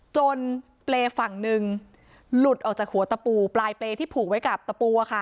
เปรย์ฝั่งหนึ่งหลุดออกจากหัวตะปูปลายเปรย์ที่ผูกไว้กับตะปู